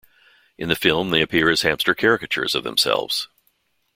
In the film they appear as hamster caricatures of themselves.